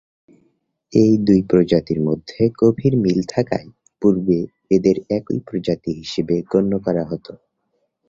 এই দুই প্রজাতির মধ্যে গভীর মিল থাকায় পূর্বে এদের একই প্রজাতি হিসেবে গণ্য করা হত।